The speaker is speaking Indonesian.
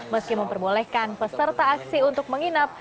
meski memperbolehkan peserta aksi untuk menginap